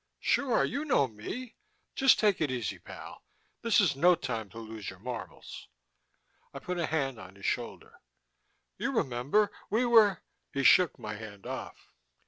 "Sure, you know me. Just take it easy pal. This is no time to lose your marbles." I put a hand on his shoulder. "You remember, we were " He shook my hand off.